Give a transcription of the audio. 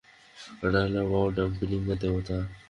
ওটা হলো বাও, ডাম্পলিংয়ের দেবতা।